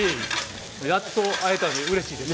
やっと会えたんで、うれしいです。